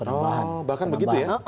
oh bahkan begitu ya